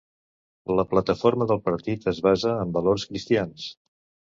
La plataforma del partit es basa en valors cristians.